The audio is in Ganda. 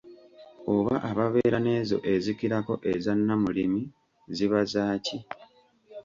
Oba ababeera n'ezo ezikirako eza Nnamulimi ziba zaaki ?